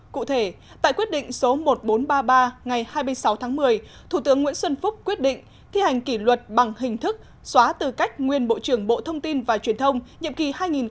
cụ thể tại quyết định số một nghìn bốn trăm ba mươi ba ngày hai mươi sáu tháng một mươi thủ tướng nguyễn xuân phúc quyết định thi hành kỷ luật bằng hình thức xóa tư cách nguyên bộ trưởng bộ thông tin và truyền thông nhiệm kỳ hai nghìn một mươi tám hai nghìn một mươi tám